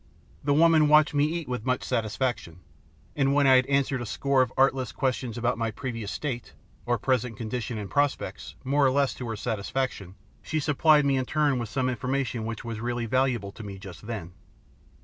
The woman watched me eat with much satisfaction, and when I had answered a score of artless questions about my previous state, or present condition and prospects, more or less to her satisfaction, she supplied me in turn with some information which was really valuable to me just then.